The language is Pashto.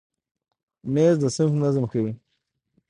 مېز د صنف نظم ښیي.